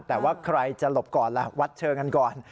แต่ว่าใครจะหลบก่อนล่ะวัดเชิงกันก่อน